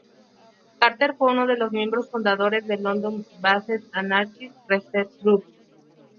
Carter fue uno de los miembros fundadores del London-based Anarchist Research Group.